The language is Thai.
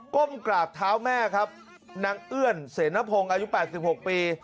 ก้มกราบเท้าแม่ครับนางเอื้อนเสนพงศ์อายุ๘๖ปี